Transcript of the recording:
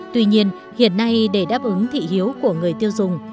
tuy nhiên hiện nay để đáp ứng thị hiếu của người tiêu dùng